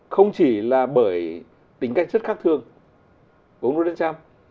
không chỉ là bởi tính cách rất khắc thương của ông donald trump